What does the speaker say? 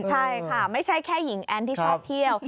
ใช่ค่ะไม่ใช่แค่หญิงแอ้นที่ชอบเที่ยว